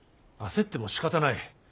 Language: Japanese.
焦ってもしかたない。